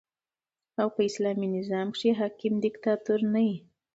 او په اسلامي نظام کښي حاکم دیکتاتور نه يي.